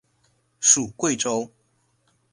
属桂州。